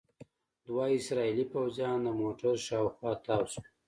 دوه اسرائیلي پوځیان د موټر شاوخوا تاو شول.